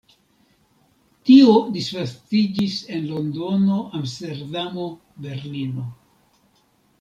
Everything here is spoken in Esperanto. Tio disvastiĝis en Londono, Amsterdamo, Berlino.